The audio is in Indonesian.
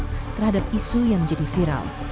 dan membuat kasus yang menjadi viral